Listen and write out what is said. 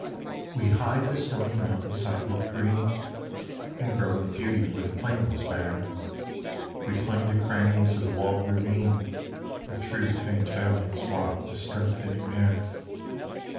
We hide the stony mountain side with green, And grow in beauty where the plain was bare; We cling to crannies of the walled ravine, And through faint valleys waft a strengthening air.